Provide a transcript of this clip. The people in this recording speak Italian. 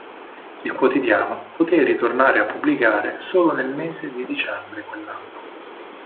Il quotidiano poté ritornare a pubblicare solo nel mese di dicembre di quell'anno.